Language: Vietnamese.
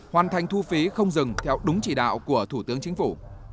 hoàn thành thu phí không dừng theo đúng chỉ đạo của thủ tướng chính phủ